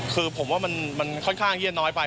คือผมว่ามันค่อนข้างที่จะน้อยไป